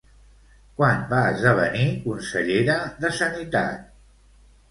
Quan va esdevenir consellera de Sanitat?